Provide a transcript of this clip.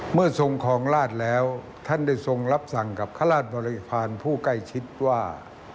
เมื่อทรงครองราชแล้วท่านได้ทรงรับสั่งกับข้าราชบริพาณผู้ใกล้ชิดว่า